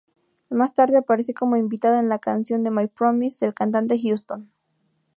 Más tarde aparece como invitada en la canción de "My promise" del cantante "Houston".